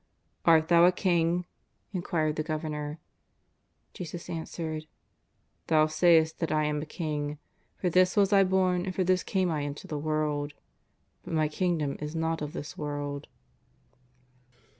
"Art Thou a King?'' inquired the Governor. Jesus answered: ''Thou sayest that I am a King. For this was I born and for this came I into the world .. but My Kingdom is not of this world."